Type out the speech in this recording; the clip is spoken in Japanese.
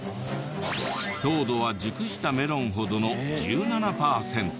糖度は熟したメロンほどの１７パーセント。